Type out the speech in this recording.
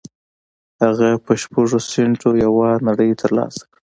هغه په شپږو سينټو يوه نړۍ تر لاسه کړه.